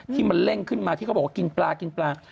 ที่มันเร่งขึ้นมาที่เขาบอกว่ากินปลากินปลา